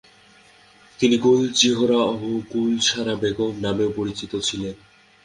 তিনি গুলচিহরা বা গুলশারা বেগম নামেও পরিচিত ছিলেন।